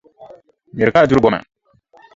Miri ka a duri goma.